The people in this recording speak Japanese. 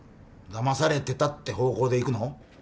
騙されてたって方向でいくの？